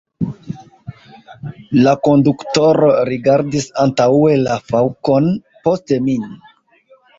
La konduktoro rigardis antaŭe la faŭkon, poste min.